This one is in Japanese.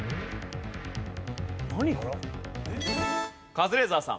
カズレーザーさん。